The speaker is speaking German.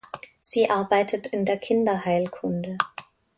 Sie arbeitet in der Kinderheilkunde.